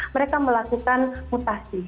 mereka melakukan mutasi